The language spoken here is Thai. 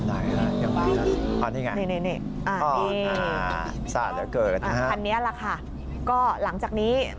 อันนี้ไง